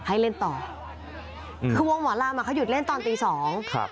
ให้เล่นต่อคือวงหมอลำอ่ะเขาหยุดเล่นตอนตีสองครับ